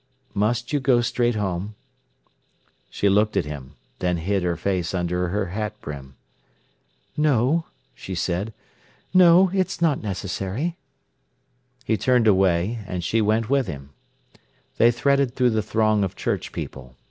"Must you go straight home?" She looked at him, then hid her face under her hat brim. "No," she said—"no; it's not necessary." He turned away, and she went with him. They threaded through the throng of church people.